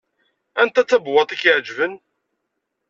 Anta i d tabwaḍt i k-iɛeǧben?